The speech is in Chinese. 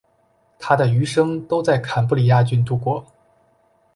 他的余生都在坎布里亚郡度过。